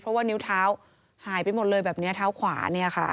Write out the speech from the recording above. เพราะว่านิ้วเท้าหายไปหมดเลยแบบนี้เท้าขวาเนี่ยค่ะ